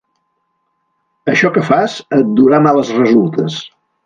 Això que fas, et durà males resultes.